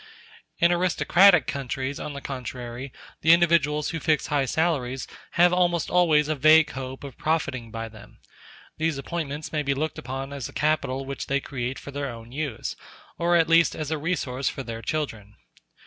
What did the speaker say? In aristocratic countries, on the contrary, the individuals who fix high salaries have almost always a vague hope of profiting by them. These appointments may be looked upon as a capital which they create for their own use, or at least as a resource for their children.